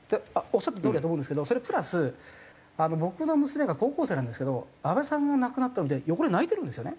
おっしゃったとおりだと思うんですけどそれプラス僕の娘が高校生なんですけど安倍さんが亡くなったので横で泣いてるんですよね。